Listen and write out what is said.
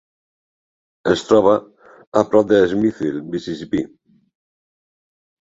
Es troba a prop de Smithville, Mississipí.